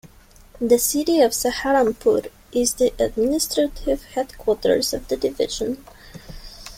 The city of Saharanpur is the administrative headquarters of the division.